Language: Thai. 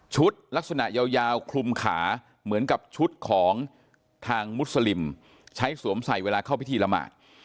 ลักษณะยาวคลุมขาเหมือนกับชุดของทางมุสลิมใช้สวมใส่เวลาเข้าพิธีละหมาด